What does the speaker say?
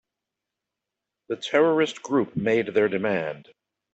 The terrorist group made their demand.